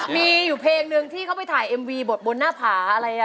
มีอยู่เพลงหนึ่งที่เขาไปถ่ายเอ็มวีบทบนหน้าผาอะไรอ่ะ